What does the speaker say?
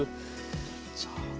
じゃあ私